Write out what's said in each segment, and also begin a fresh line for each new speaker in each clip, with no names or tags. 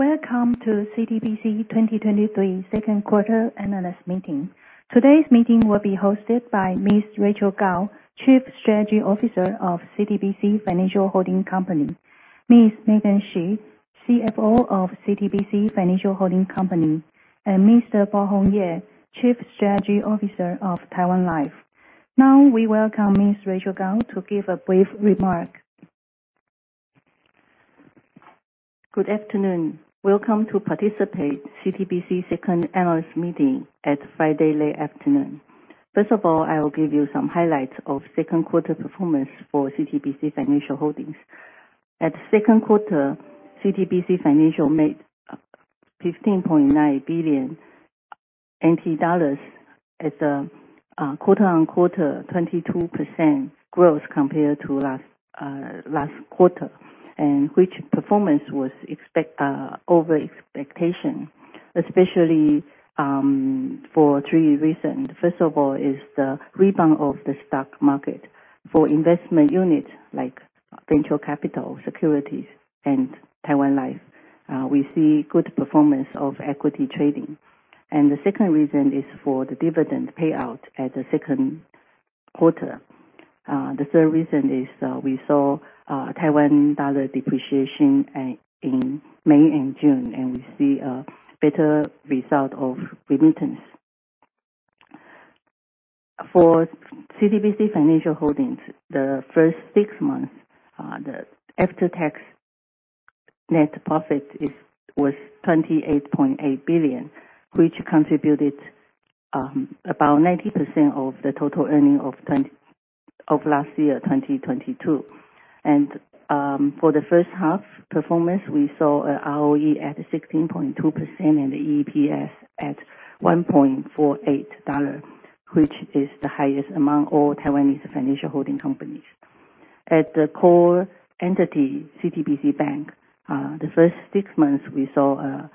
Welcome to CTBC 2023 second quarter analyst meeting. Today's meeting will be hosted by Ms. Rachael Kao, Chief Strategy Officer of CTBC Financial Holding Company, Ms. Megan Shih, CFO of CTBC Financial Holding Company, and Mr. Po-Hong Yeh, Chief Strategy Officer of Taiwan Life. We welcome Ms. Rachael Kao to give a brief remark.
Good afternoon. Welcome to participate CTBC second analyst meeting at Friday late afternoon. First of all, I will give you some highlights of second quarter performance for CTBC Financial Holdings. At second quarter, CTBC Financial made 15.9 billion NT dollars at a quarter-over-quarter 22% growth compared to last quarter, which performance was over expectation, especially for three reasons. First of all is the rebound of the stock market for investment units like venture capital, securities, and Taiwan Life. The second reason is for the dividend payout at the second quarter. The third reason is we saw NT dollar depreciation in May and June, we see a better result of remittance. For CTBC Financial Holdings, the first six months, the after-tax net profit was 28.8 billion, which contributed about 90% of the total earning of last year, 2022. For the first half performance, we saw a ROE at 16.2% and the EPS at 1.48 dollar, which is the highest among all Taiwanese financial holding companies. At the core entity, CTBC Bank, the first six months, we saw a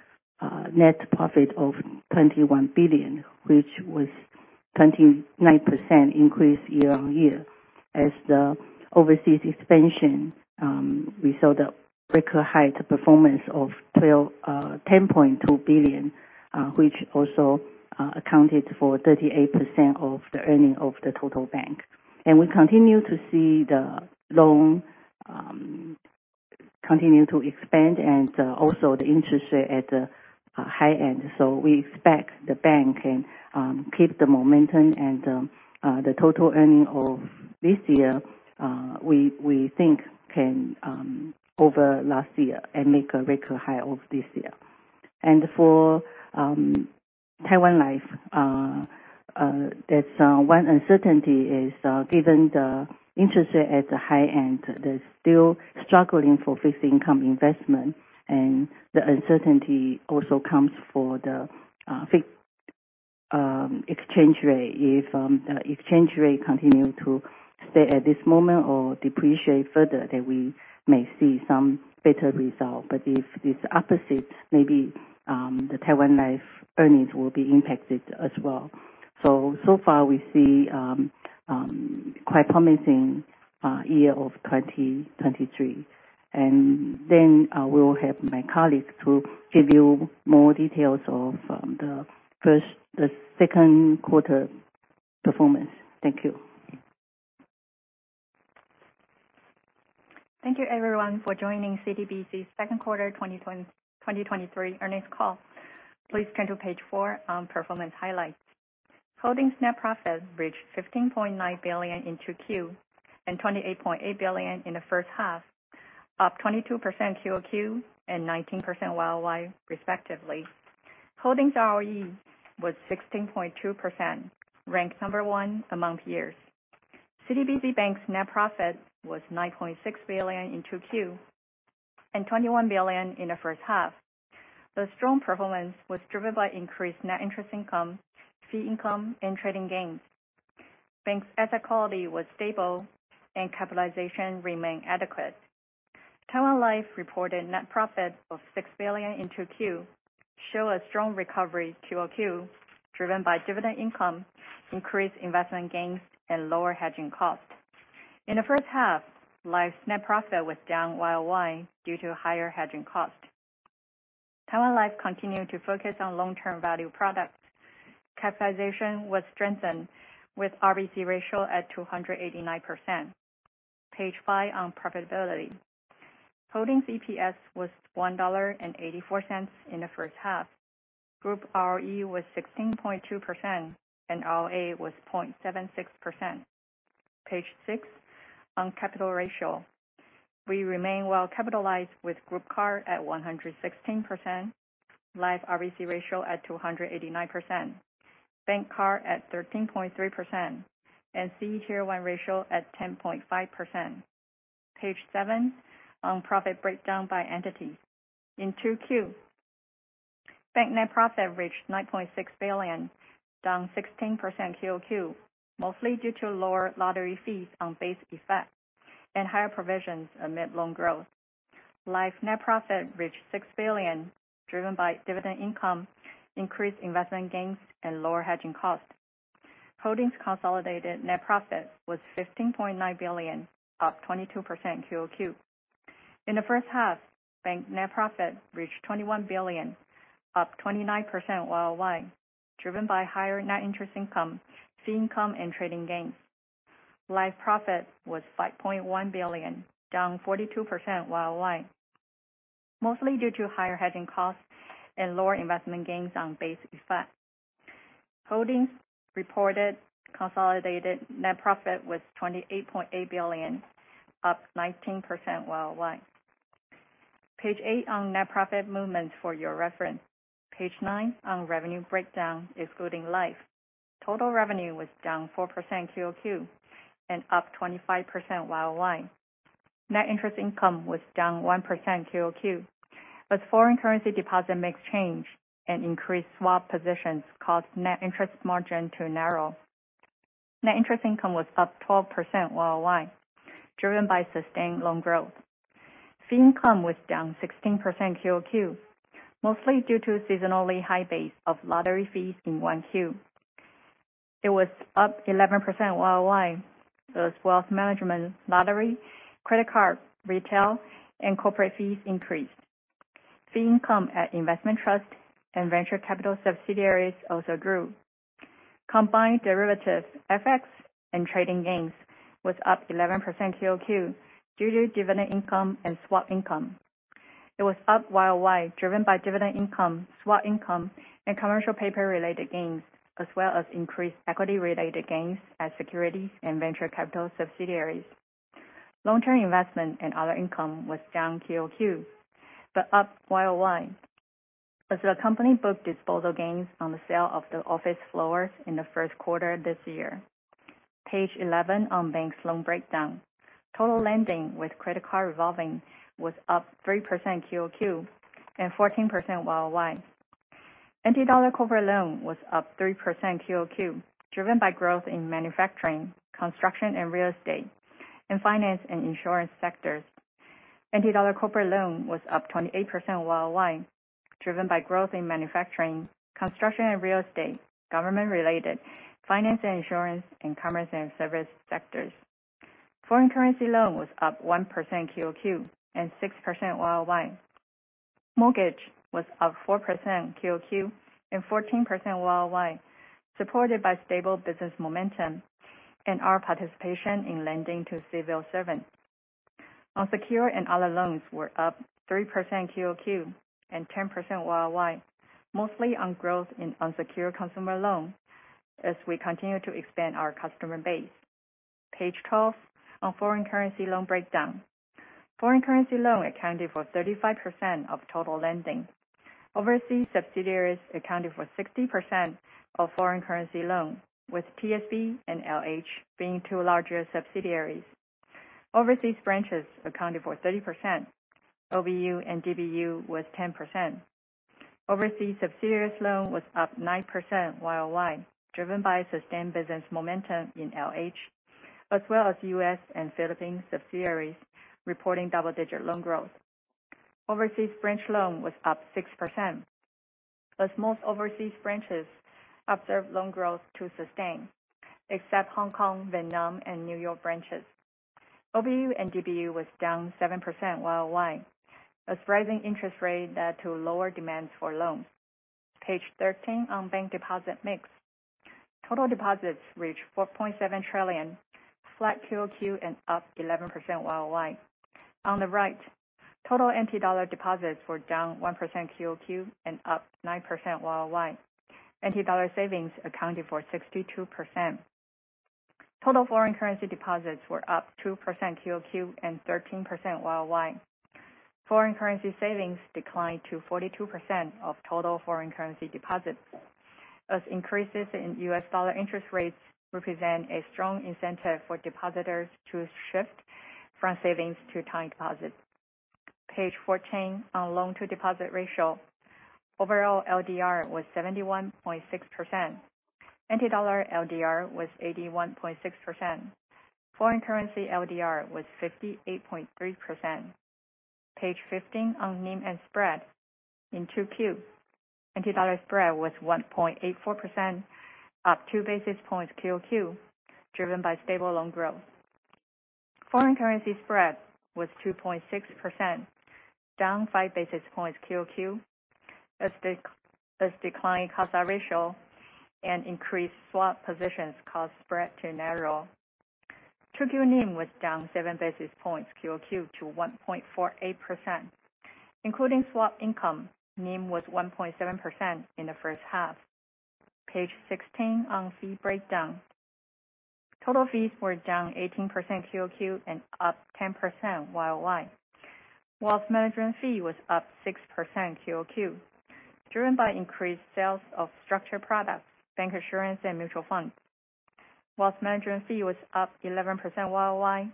net profit of 21 billion, which was 29% increase year-over-year. As the overseas expansion, we saw the record high performance of 10.2 billion, which also accounted for 38% of the earning of the total bank. We continue to see the loan continue to expand and also the interest at the high end. We expect the bank can keep the momentum the total earning of this year, we think can over last year and make a record high of this year. For Taiwan Life, that one uncertainty is given the interest at the high end, they're still struggling for fixed income investment, the uncertainty also comes for the fixed exchange rate. If exchange rate continue to stay at this moment or depreciate further, we may see some better result. If it's opposite, maybe the Taiwan Life earnings will be impacted as well. So far we see quite promising year of 2023. I will have my colleague to give you more details of the second quarter performance. Thank you.
Thank you everyone for joining CTBC's second quarter 2023 earnings call. Please turn to page four on performance highlights. Holdings net profit reached 15.9 billion in Q2, and 28.8 billion in the first half, up 22% QOQ and 19% YOY respectively. Holdings ROE was 16.2%, ranked number one among peers. CTBC Bank's net profit was 9.6 billion in Q2, and 21 billion in the first half. The strong performance was driven by increased net interest income, fee income, and trading gains. Bank's asset quality was stable and capitalization remained adequate. Taiwan Life reported net profit of 6 billion in Q2, show a strong recovery QOQ driven by dividend income, increased investment gains, and lower hedging cost. In the first half, Life's net profit was down YOY due to higher hedging cost. Taiwan Life continued to focus on long-term value products. Capitalization was strengthened with RBC ratio at 289%. Page five on profitability. Holdings EPS was 1.84 dollar in the first half. Group ROE was 16.2%, and ROA was 0.76%. Page six on capital ratio. We remain well capitalized with group CAR at 116%, Life RBC ratio at 289%, Bank CAR at 13.3%, and CET1 ratio at 10.5%. Page seven on profit breakdown by entity. In Q2, Bank net profit reached 9.6 billion, down 16% QOQ, mostly due to lower lottery fees on base effect and higher provisions amid loan growth. Life net profit reached 6 billion driven by dividend income, increased investment gains, and lower hedging cost.
Holdings consolidated net profit was 15.9 billion, up 22% QOQ. In the first half, bank net profit reached 21 billion, up 29% YOY, driven by higher net interest income, fee income, and trading gains. Life profit was 5.1 billion, down 42% YOY, mostly due to higher hedging costs and lower investment gains on base effect. Holdings reported consolidated net profit was 28.8 billion, up 19% YOY. Page eight on net profit movement for your reference. Page nine on revenue breakdown, excluding life. Total revenue was down 4% QOQ and up 25% YOY. Net interest income was down 1% QOQ. Foreign currency deposit mix change and increased swap positions caused net interest margin to narrow. Net interest income was up 12% YOY, driven by sustained loan growth. Fee income was down 16% QOQ, mostly due to seasonally high base of lottery fees in 1Q. It was up 11% YOY as wealth management, lottery, credit card, retail, and corporate fees increased. Fee income at investment trust and venture capital subsidiaries also grew. Combined derivatives, FX, and trading gains was up 11% QOQ due to dividend income and swap income. It was up YOY, driven by dividend income, swap income, and commercial paper-related gains, as well as increased equity-related gains at securities and venture capital subsidiaries. Long-term investment and other income was down QOQ, up YOY as the company booked disposal gains on the sale of the office floors in the first quarter this year. Page 11 on bank's loan breakdown. Total lending with credit card revolving was up 3% QOQ and 14% YOY. NT dollar corporate loan was up 3% QOQ, driven by growth in manufacturing, construction and real estate, and finance and insurance sectors. NT dollar corporate loan was up 28% YOY, driven by growth in manufacturing, construction and real estate, government-related, finance and insurance, and commerce and service sectors. Foreign currency loan was up 1% QOQ and 6% YOY. Mortgage was up 4% QOQ and 14% YOY, supported by stable business momentum and our participation in lending to civil servants. Unsecured and other loans were up 3% QOQ and 10% YOY, mostly on growth in unsecured consumer loans as we continue to expand our customer base. Page 12 on foreign currency loan breakdown. Foreign currency loan accounted for 35% of total lending. Overseas subsidiaries accounted for 60% of foreign currency loan, with TSB and LH being two larger subsidiaries. Overseas branches accounted for 30%. OBU and DBU was 10%. Overseas subsidiaries loan was up 9% YOY, driven by sustained business momentum in LH, as well as U.S. and Philippines subsidiaries reporting double-digit loan growth. Overseas branch loan was up 6%, as most overseas branches observed loan growth to sustain, except Hong Kong, Vietnam, and New York branches. OBU and DBU was down 7% YOY as rising interest rates led to lower demands for loans. Page 13 on bank deposit mix. Total deposits reached 4.7 trillion, flat QOQ and up 11% YOY. On the right, total NT dollar deposits were down 1% QOQ and up 9% YOY. NT dollar savings accounted for 62%. Total foreign currency deposits were up 2% QOQ and 13% YOY. Foreign currency savings declined to 42% of total foreign currency deposits as increases in US dollar interest rates represent a strong incentive for depositors to shift from savings to time deposits. Page 14 on loan-to-deposit ratio. Overall, LDR was 71.6%. NT dollar LDR was 81.6%. Foreign currency LDR was 58.3%. Page 15 on NIM and spread. In 2Q, NT dollar spread was 1.84%, up two basis points QOQ, driven by stable loan growth. Foreign currency spread was 2.6%, down five basis points QOQ as declining cost ratio and increased swap positions caused spread to narrow. 2Q NIM was down seven basis points QOQ to 1.48%. Including swap income, NIM was 1.7% in the first half. Page 16 on fee breakdown. Total fees were down 18% QOQ and up 10% YOY. Wealth management fee was up 6% QOQ, driven by increased sales of structured products, bank assurance, and mutual funds. Wealth management fee was up 11% YOY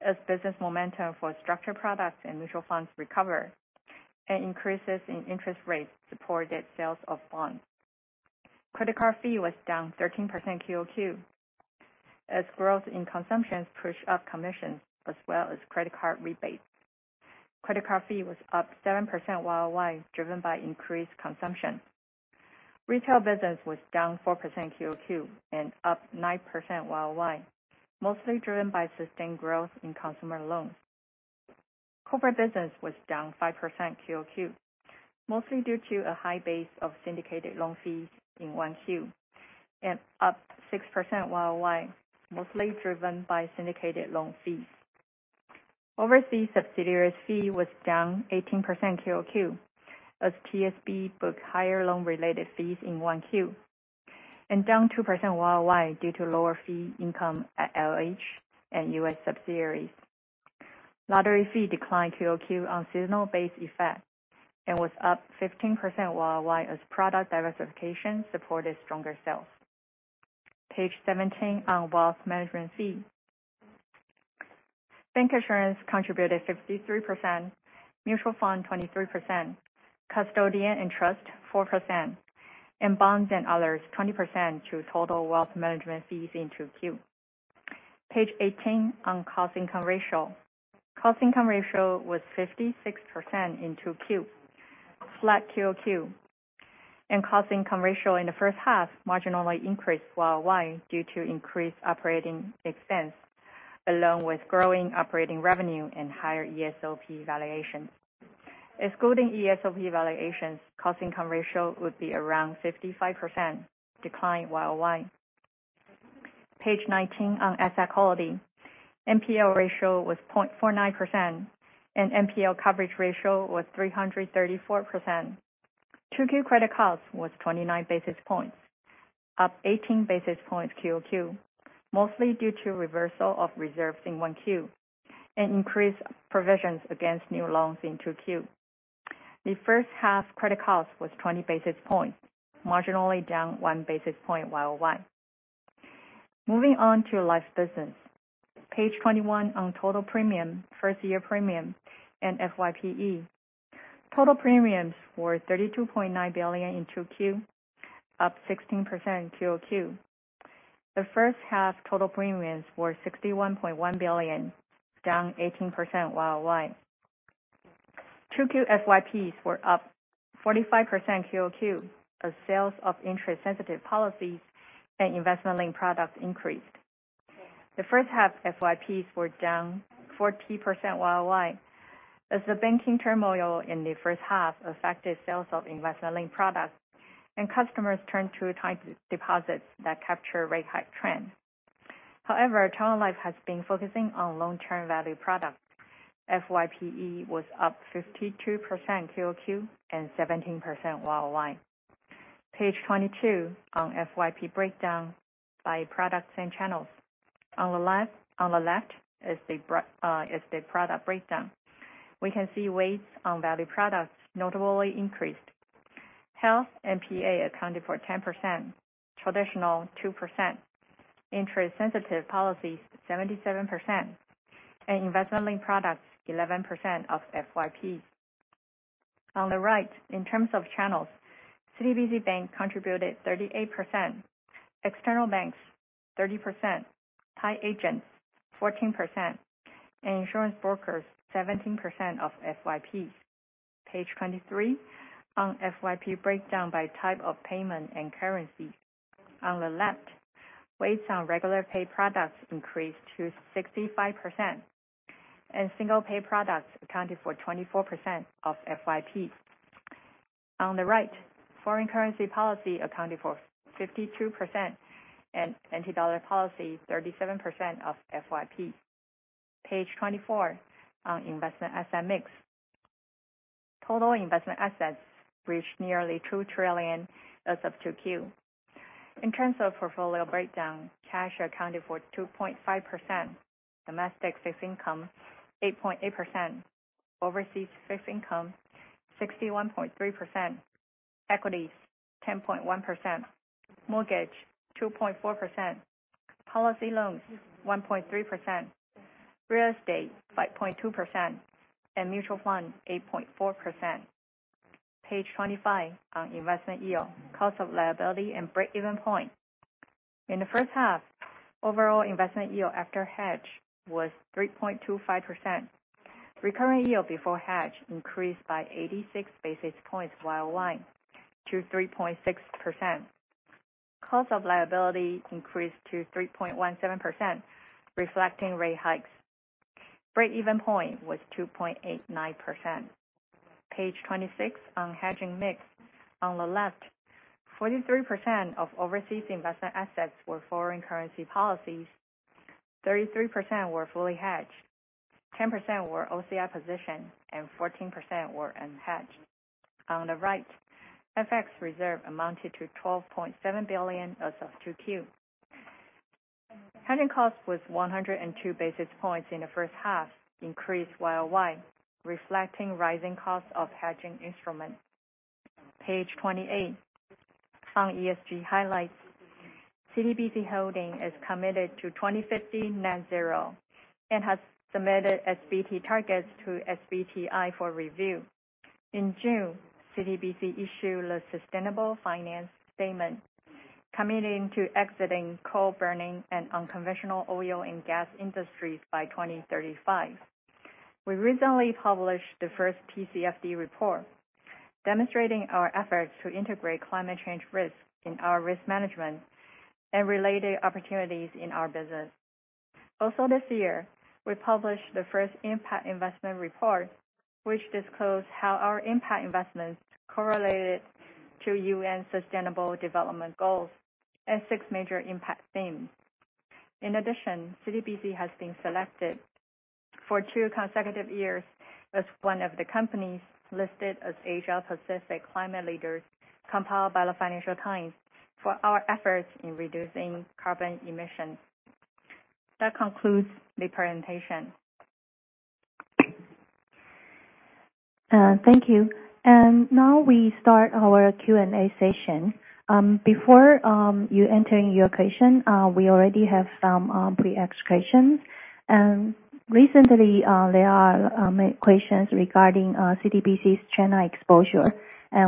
as business momentum for structured products and mutual funds recover, and increases in interest rates supported sales of bonds. Credit card fee was down 13% QOQ as growth in consumptions pushed up commissions as well as credit card rebates. Credit card fee was up 7% YOY, driven by increased consumption. Retail business was down 4% QOQ and up 9% YOY, mostly driven by sustained growth in consumer loans. Corporate business was down 5% QOQ, mostly due to a high base of syndicated loan fees in one Q, and up 6% YOY, mostly driven by syndicated loan fees. Overseas subsidiaries fee was down 18% QOQ as TSB booked higher loan-related fees in one Q, and down 2% YOY due to lower fee income at LH and U.S. subsidiaries. Lottery fee declined QOQ on seasonal base effect and was up 15% YOY as product diversification supported stronger sales. Page 17 on wealth management fee. Bank insurance contributed 53%, mutual fund 23%, custodian and trust 4%, and bonds and others 20% to total wealth management fees in 2Q. Page 18 on cost-to-income ratio. Cost-to-income ratio was 56% in 2Q, flat QOQ, and cost-to-income ratio in the first half marginally increased YOY due to increased operating expense, along with growing operating revenue and higher ESOP valuations. Excluding ESOP valuations, cost-to-income ratio would be around 55%, decline YOY. Page 19 on asset quality. NPL ratio was 0.49%, and NPL coverage ratio was 334%. 2Q credit cost was 29 basis points, up 18 basis points QOQ, mostly due to reversal of reserves in 1Q, and increased provisions against new loans in 2Q. The first half credit cost was 20 basis points, marginally down one basis point YOY. Moving on to Life's business. Page 21 on total premium, first-year premium, and FYPE. Total premiums were TWD 32.9 billion in 2Q, up 16% QOQ. The first half total premiums were 61.1 billion, down 18% YOY. 2Q FYPs were up 45% QOQ as sales of interest-sensitive policies and investment-linked products increased. The first half FYPs were down 40% YOY as the banking turmoil in the first half affected sales of investment-linked products and customers turned to time deposits that capture rate hike trend. However, Taiwan Life has been focusing on long-term value products. FYPE was up 52% QOQ and 17% YOY. Page 22 on FYP breakdown by products and channels. On the left is the product breakdown. We can see weights on value products notably increased. Health and PA accounted for 10%, traditional 2%, interest-sensitive policies 77%, and investment-linked products 11% of FYP. On the right, in terms of channels, CTBC Bank contributed 38%, external banks 30%, tied agents 14%, and insurance brokers 17% of FYP. Page 23 on FYP breakdown by type of payment and currency. On the left, weights on regular pay products increased to 65%, and single-pay products accounted for 24% of FYP. On the right, foreign currency policy accounted for 52%, and NT dollar policy 37% of FYP. Page 24 on investment asset mix. Total investment assets reached nearly 2 trillion as of 2Q. In terms of portfolio breakdown, cash accounted for 2.5%, domestic fixed income 8.8%, overseas fixed income 61.3%, equities 10.1%, mortgage 2.4%, policy loans 1.3%, real estate 5.2%, and mutual funds 8.4%. Page 25 on investment yield, cost of liability, and break-even point. In the first half, overall investment yield after hedge was 3.25%. Recurrent yield before hedge increased by 86 basis points YOY to 3.6%. Cost of liability increased to 3.17%, reflecting rate hikes. Break-even point was 2.89%. Page 26 on hedging mix. On the left, 43% of overseas investment assets were foreign currency policies, 33% were fully hedged, 10% were OCI position, and 14% were unhedged. On the right, FX reserve amounted to 12.7 billion as of 2Q. Hedging cost was 102 basis points in the first half, increased YOY, reflecting rising cost of hedging instruments. Page 28 on ESG highlights. CTBC Holding is committed to 2050 net zero and has submitted SBT targets to SBTi for review. In June, CTBC issued a sustainable finance statement.
committing to exiting coal burning and unconventional oil and gas industries by 2035. We recently published the first TCFD report, demonstrating our efforts to integrate climate change risks in our risk management and related opportunities in our business. Also, this year, we published the first Impact Investment Report, which disclosed how our impact investments correlated to UN Sustainable Development Goals and six major impact themes. In addition, CTBC has been selected for two consecutive years as one of the companies listed as Asia-Pacific Climate Leaders, compiled by the "Financial Times" for our efforts in reducing carbon emissions. That concludes the presentation.
Thank you. We start our Q&A session. Before you entering your question, we already have some pre-asked questions. Recently, there are many questions regarding CTBC's China exposure,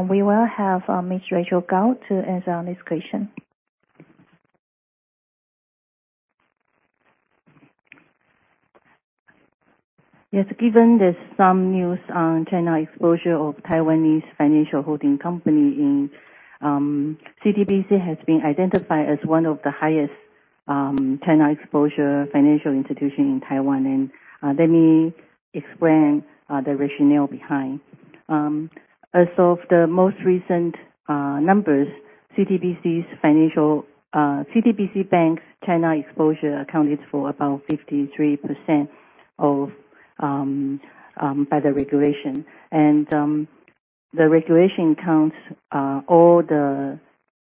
we will have Ms. Rachael Ku to answer this question.
Yes, given there's some news on China exposure of Taiwanese financial holding company, CTBC has been identified as one of the highest China exposure financial institution in Taiwan. Let me explain the rationale behind. As of the most recent numbers, CTBC Bank's China exposure accounted for about 53% by the regulation. The regulation counts all the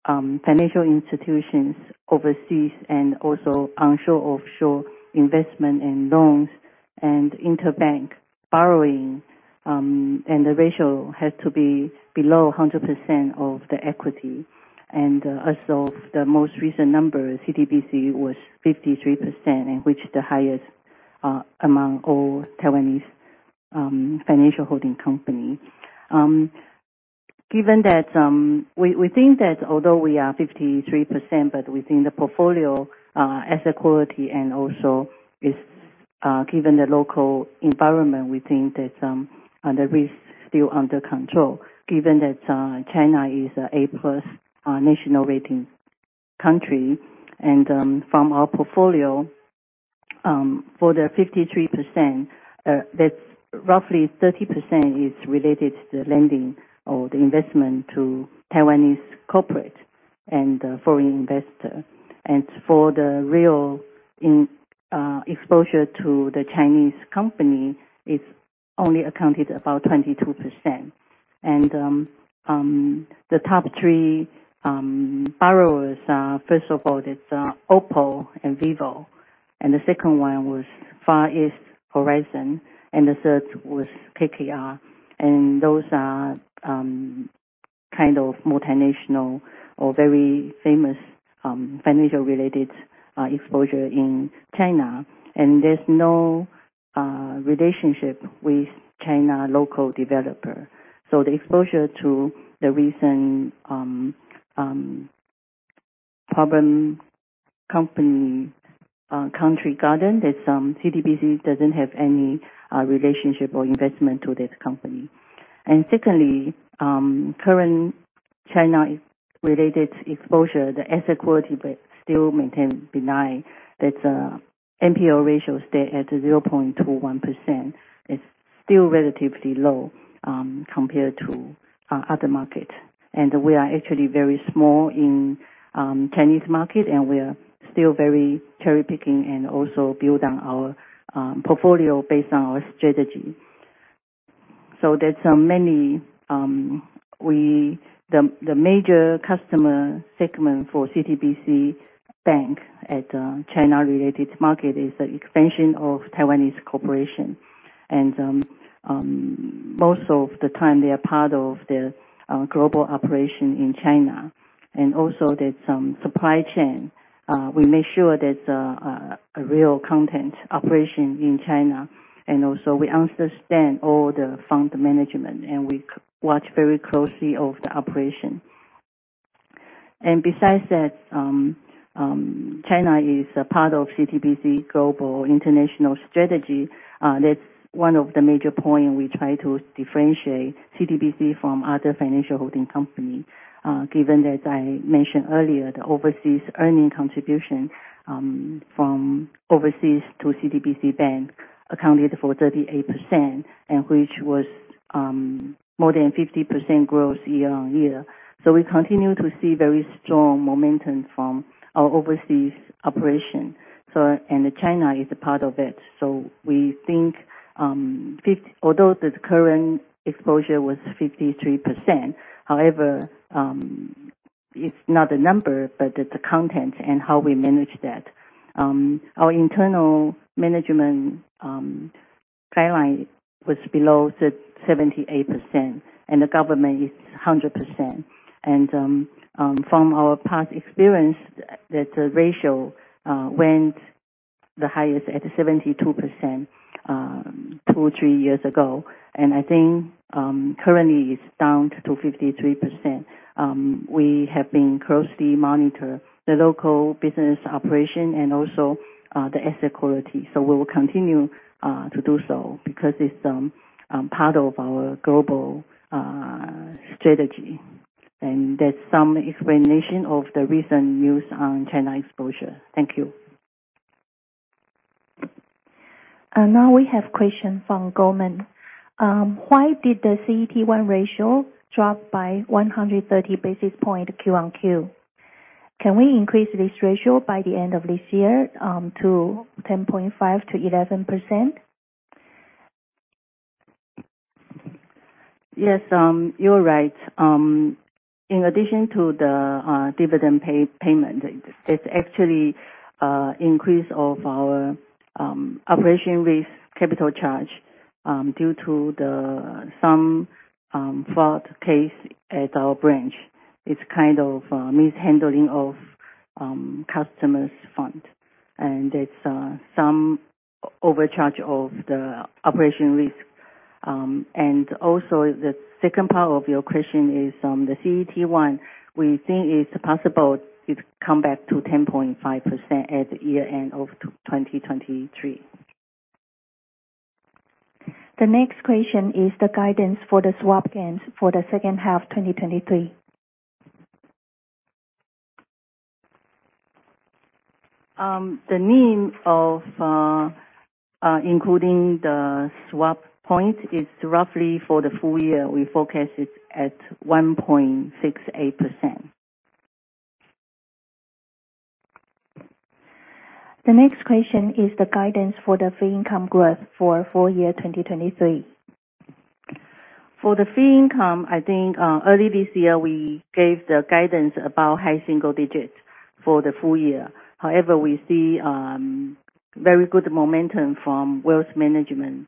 financial institutions overseas, also onshore, offshore investment in loans and interbank borrowing, the ratio had to be below 100% of the equity. As of the most recent numbers, CTBC was 53%, which is the highest among all Taiwanese financial holding companies. We think that although we are 53%, but within the portfolio asset quality, also given the local environment, we think that the risk still under control given that China is A+ national rating country. From our portfolio, for the 53%, that's roughly 30% is related to the lending or the investment to Taiwanese corporate and foreign investor. For the real exposure to the Chinese company, it's only accounted about 22%. The top three borrowers are, first of all, it's OPPO and vivo, the second one was Far East Horizon, and the third was KKR. Those are multinational or very famous financial-related exposure in China, there's no relationship with China local developer. The exposure to the recent problem Country Garden, CTBC doesn't have any relationship or investment to this company. Secondly, current China-related exposure, the asset quality still maintain benign. That's NPL ratio stay at 0.21%. It's still relatively low compared to other market. We are actually very small in Chinese market. We are still very cherry-picking and also build on our portfolio based on our strategy. The major customer segment for CTBC Bank at China-related market is the expansion of Taiwanese corporation. Most of the time, they are part of the global operation in China. Also there's supply chain. We make sure that a real content operation in China, and also we understand all the fund management, and we watch very closely of the operation. Besides that, China is a part of CTBC global international strategy. That's one of the major point we try to differentiate CTBC from other financial holding company, given that I mentioned earlier, the overseas earning contribution from overseas to CTBC Bank accounted for 38%, and which was more than 50% growth year-over-year. We continue to see very strong momentum from our overseas operation, and China is a part of it. We think although the current exposure was 53%, however, it's not the number, but it's the content and how we manage that. Our internal management guideline was below the 78%, and the government is 100%. From our past experience, that ratio went the highest at 72% two, three years ago, and I think currently it's down to 53%. We have been closely monitor the local business operation and also the asset quality. We will continue to do so because it's part of our global strategy. That's some explanation of the recent news on China exposure. Thank you.
Now we have question from Goldman. Why did the CET1 ratio drop by 130 basis point QOQ? Can we increase this ratio by the end of this year to 10.5%-11%?
Yes. You're right. In addition to the dividend payment, it's actually increase of our operation with capital charge due to some fraud case at our branch. It's kind of a mishandling of customers' fund. It's some overcharge of the operation risk. Also, the second part of your question is on the CET1. We think it's possible it come back to 10.5% at the year-end of 2023.
The next question is the guidance for the swap gains for the second half 2023.
The mean of including the swap point is roughly for the full year, we forecast it at 1.68%.
The next question is the guidance for the fee income growth for full year 2023.
For the fee income, I think early this year we gave the guidance about high single digits for the full year. However, we see very good momentum from wealth management.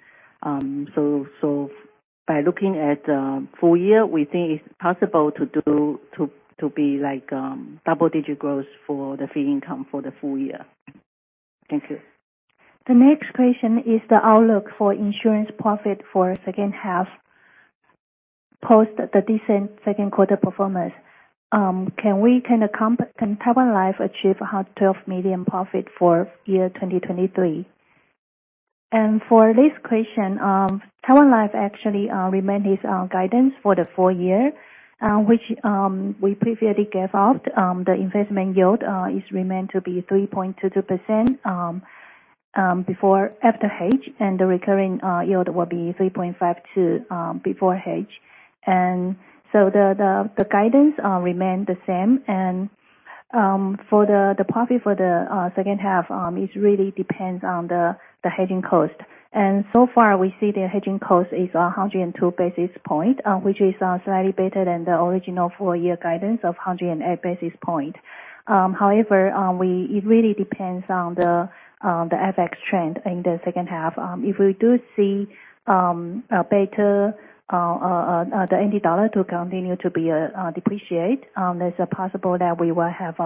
By looking at the full year, we think it's possible to be double-digit growth for the fee income for the full year. Thank you.
The next question is the outlook for insurance profit for second half post the decent second quarter performance. Can Taiwan Life achieve 112 million profit for year 2023?
For this question, Taiwan Life actually remained its guidance for the full year, which we previously gave out. The investment yield is remained to be 3.22% after hedge, the recurring yield will be 3.52% before hedge. The guidance remain the same, for the profit for the second half, it really depends on the hedging cost. So far, we see the hedging cost is 102 basis point, which is slightly better than the original full-year guidance of 108 basis point. However, it really depends on the FX trend in the second half. If we do see the NT dollar to continue to be depreciate, there's a possibility that we will have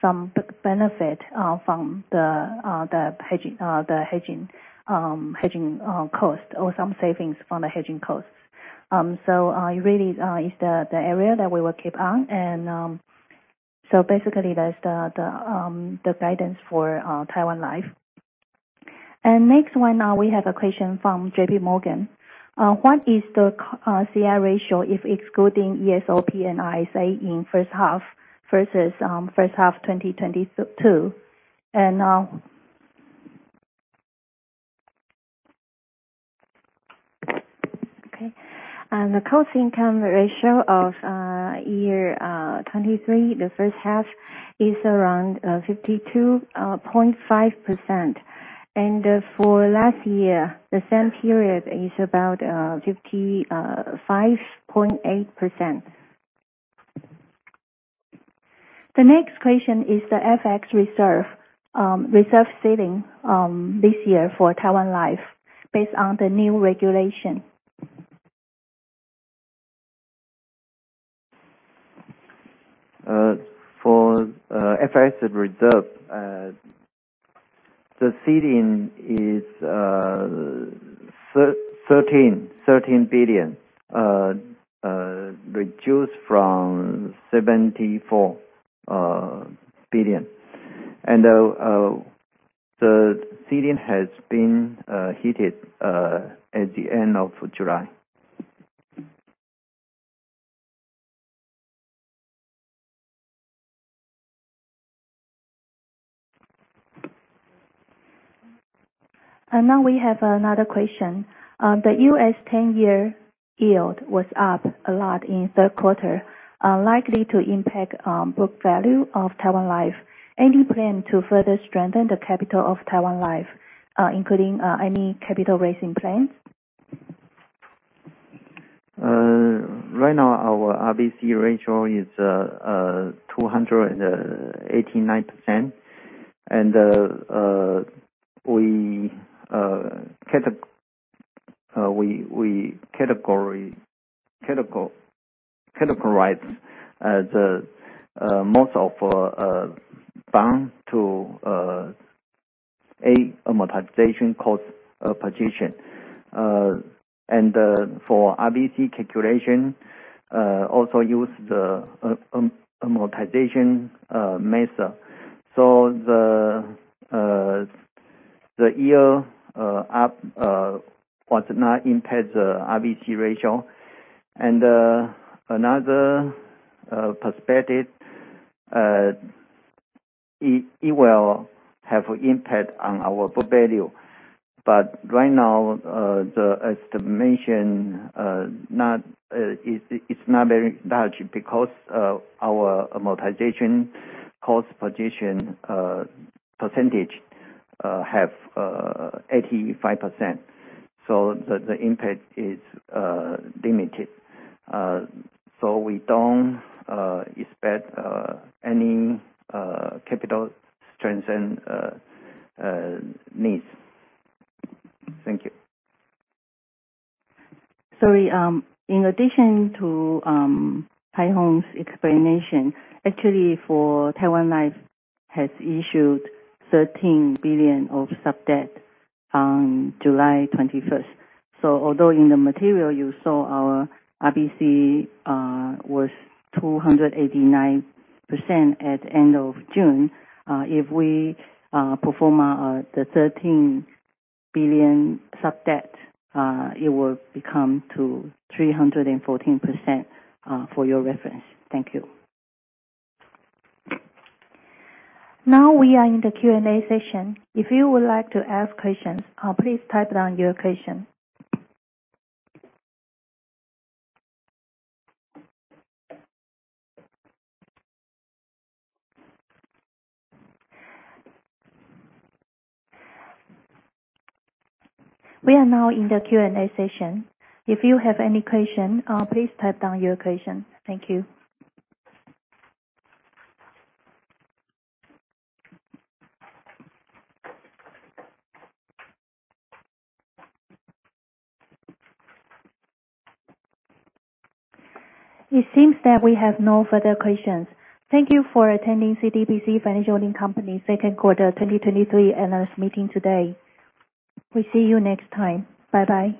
some benefit from the hedging cost or some savings from the hedging costs. It really is the area that we will keep on, that's the guidance for Taiwan Life.
Next one, we have a question from J.P. Morgan. What is the cost-to-income ratio if excluding ESOP and ISA in first half versus first half 2022?
Okay. The cost-to-income ratio of year 2023, the first half is around 52.5%, for last year, the same period is about 55.8%.
The next question is the FX reserve. Reserve ceiling this year for Taiwan Life based on the new regulation.
For FX reserve, the ceiling is 13 billion, reduced from 74 billion. The ceiling has been hit at the end of July.
Now we have another question. The U.S. 10-year yield was up a lot in third quarter, likely to impact book value of Taiwan Life. Any plan to further strengthen the capital of Taiwan Life, including any capital raising plans?
Right now, our RBC ratio is 289%. We categorize the most of bond to A amortized cost position. For RBC calculation, also use the amortization method. The yield was not impact the RBC ratio. Another perspective, it will have impact on our book value. Right now, the estimation, it's not very large because our amortized cost position percentage have 85%, so the impact is limited. We don't expect any capital strengthen needs. Thank you. Sorry. In addition to Tai Hong's explanation, actually, Taiwan Life has issued 13 billion of sub-debt on July 21st. Although in the material you saw our RBC was 289% at the end of June, if we perform the 13 billion sub-debt, it will become to 314%, for your reference. Thank you.
Now we are in the Q&A session. If you would like to ask questions, please type down your question. We are now in the Q&A session. If you have any question, please type down your question. Thank you. It seems that we have no further questions. Thank you for attending CTBC Financial Holding Company second quarter 2023 analyst meeting today. We'll see you next time. Bye-bye.